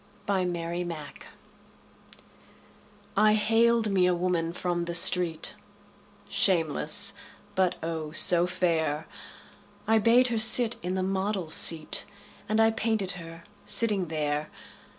My Madonna I haled me a woman from the street, Shameless, but, oh, so fair! I bade her sit in the model's seat And I painted her sitting there.